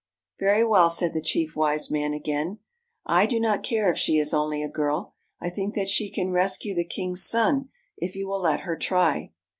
" Very well," said the Chief Wise Man again. " I do not care if she is only a girl. I think that she can rescue the king's son, if you will let her try.